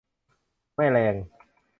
แม่แรง